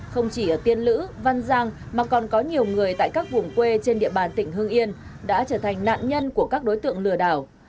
không chỉ ở tiên lữ văn giang mà còn có nhiều người tại các vùng quê trên địa bàn tỉnh hương yên đã trở thành nạn nhân của các đối tượng lừa đảo